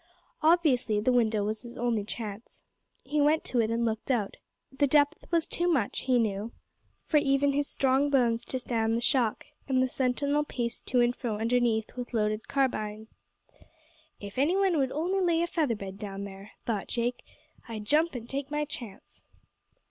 Obviously the window was his only chance. He went to it and looked out. The depth was too much, he knew, for even his strong bones to stand the shock; and the sentinel paced to and fro underneath with loaded carbine. "If any one would only lay a feather bed down there," thought Jake, "I'd jump an' take my chance."